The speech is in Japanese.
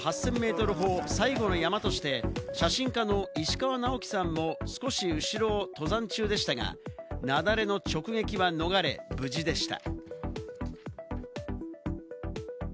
この日は１４の８０００ｍ峰、最後の山として写真家の石川直樹さんも少し後ろを登山中でしたが、雪崩の直撃は逃れ、無事でした。